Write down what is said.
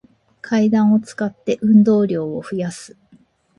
階段を使って、運動量を増やす